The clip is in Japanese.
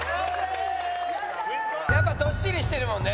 やっぱどっしりしてるもんね。